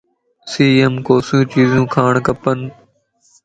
سيءَ مَ ڪوسيون چيزيون کاڻ کپن